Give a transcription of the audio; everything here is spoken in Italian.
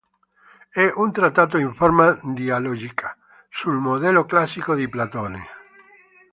È un trattato in forma dialogica, sul modello classico di Platone.